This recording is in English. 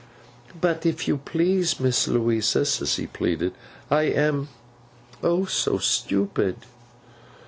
'But, if you please, Miss Louisa,' Sissy pleaded, 'I am—O so stupid!